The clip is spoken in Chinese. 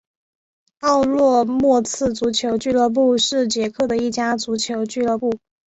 奥洛莫茨足球俱乐部是捷克的一家足球俱乐部。